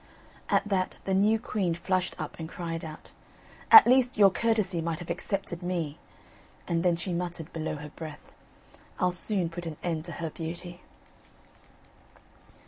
At that the new queen flushed up and cried out: "At least your courtesy might have excepted me," and then she muttered below her breath: "I'll soon put an end to her beauty."